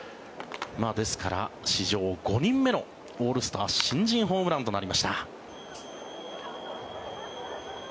ですから、史上５人目のオールスター新人ホームランとなりました。